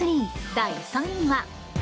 第３位は。